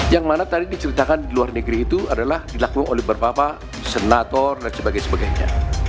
yang mana tadi diceritakan di luar negeri itu adalah dilakukan oleh bapak bapak senator dan sebagainya